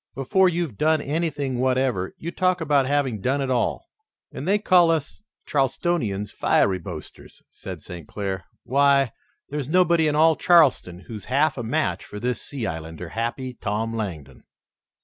Before you've done anything whatever, you talk about having done it all." "And they call us Charlestonians fiery boasters," said St. Clair. "Why, there's nobody in all Charleston who's half a match for this sea islander, Happy Tom Langdon."